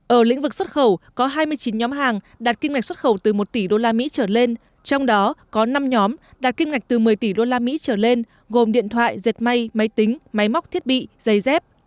ở lĩnh vực xuất khẩu có hai mươi chín nhóm hàng đạt kim ngạch xuất khẩu từ một tỷ usd trở lên trong đó có năm nhóm đạt kim ngạch từ một mươi tỷ usd trở lên gồm điện thoại dệt may máy tính máy móc thiết bị dây dép